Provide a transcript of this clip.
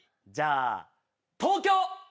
じゃあ東京！